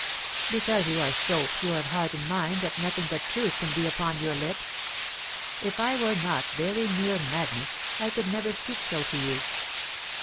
"Because you are so pure of heart and mind that nothing but truth can be upon your lips. If I were not very near madness, I could never speak so to you.